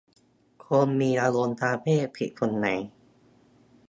คนมีอารมณ์ทางเพศผิดตรงไหน